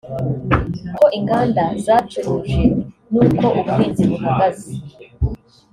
uko inganda zacuruje n’uko ubuhinzi buhagaze